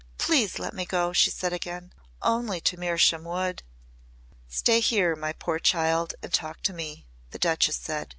"Please let me go," she said again. "Only to Mersham Wood." "Stay here, my poor child and talk to me," the Duchess said.